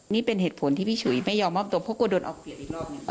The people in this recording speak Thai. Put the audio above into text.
นี่เป็นเหตุผลที่พี่ฉุยไม่ยอมมอบตัวเพราะกลัวโดนออกเปลี่ยนอีกรอบหนึ่ง